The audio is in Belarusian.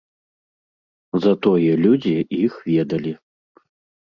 Затое людзі іх ведалі.